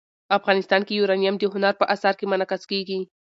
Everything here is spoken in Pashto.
افغانستان کې یورانیم د هنر په اثار کې منعکس کېږي.